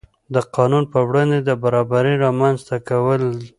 د قانون په وړاندې د برابرۍ رامنځته کول.